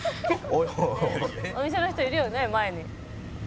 「お店の人いるよね前に」